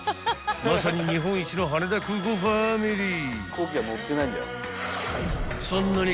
［まさに日本一の羽田空港ファミリー］